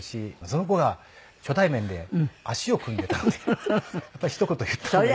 その子が初対面で足を組んでいたのでやっぱりひと言言った方が。